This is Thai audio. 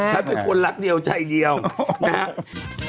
ฉันเป็นคนรักเดียวใจเดียวนะครับ